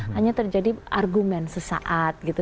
hanya terjadi argumen sesaat gitu